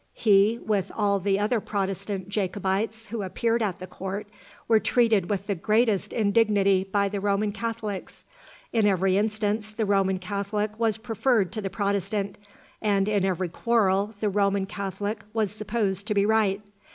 He, with all the other Protestant Jacobites who appeared at the court, were treated with the greatest indignity by the Roman Catholics. In every instance the Roman Catholic was preferred to the Protestant, and in every quarrel the Roman Catholic was supposed to be right.